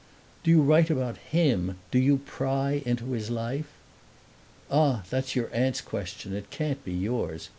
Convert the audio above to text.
"Do you write about HIM do you pry into his life?" "Ah, that's your aunt's question; it can't be yours!"